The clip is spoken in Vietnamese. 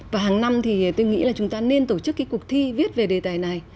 và hàng năm thì tôi nghĩ là chúng ta nên tổ chức cái cuộc thi viết về đề tài này